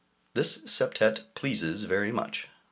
This Septet pleases very much.